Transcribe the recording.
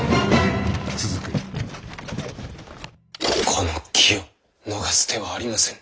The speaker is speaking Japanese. この機を逃す手はありませぬ。